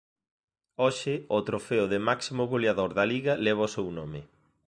Hoxe o trofeo de máximo goleador da Liga leva o seu nome.